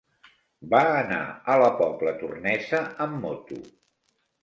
Va anar a la Pobla Tornesa amb moto.